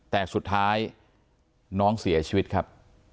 แต่สุดท้ายน้องเสียชีวิตครับ